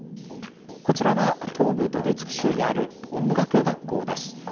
こちらは東部ドネツク州にある音楽学校です。